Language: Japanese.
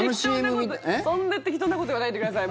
そんな適当なこと言わないでください。